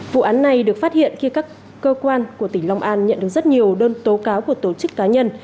vụ án này được phát hiện khi các cơ quan của tỉnh long an nhận được rất nhiều đơn tố cáo của tổ chức cá nhân